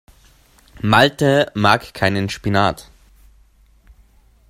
Malte mag keinen Spinat.